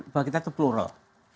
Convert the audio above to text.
bagita itu plural